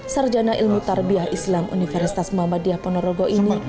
sarjana ilmu tarbiah islam universitas muhammadiyah ponorogo ini